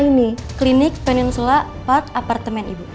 ini klinik peninsulapak apartemen ibu